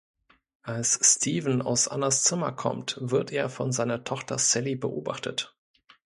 Als Stephen aus Annas Zimmer kommt, wird er von seiner Tochter Sally beobachtet.